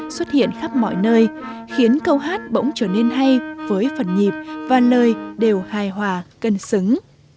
xuất hiện khắp mọi nơi khiến câu hát bỗng trở nên hay với phần nhịp và lời đều hài hòa cân xứng